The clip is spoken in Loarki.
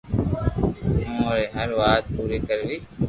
اوون ري ھر وات پوري ڪروي